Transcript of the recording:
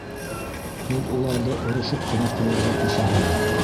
Һеҙ уларҙы орошоп ҡына ҡуйырға ҡушаһығыҙ.